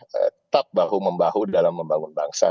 tetap bahu membahu dalam membangun bangsa